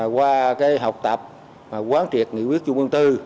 qua học tập quán triệt nghị quyết chung quân tư